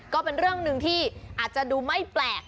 ก็เป็นเรื่องหนึ่งที่อาจจะดูไม่แปลก